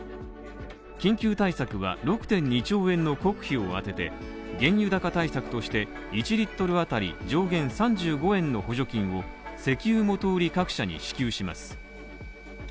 緊急対策は６．２兆円の国費を充てて原油高対策として１リットル当たり上限３５円の補助金を石油元売り各社に支給します。